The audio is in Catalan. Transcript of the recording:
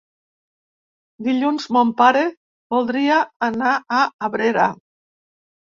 Dilluns mon pare voldria anar a Abrera.